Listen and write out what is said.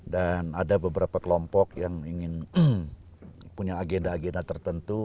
dan ada beberapa kelompok yang ingin punya agenda agenda tertentu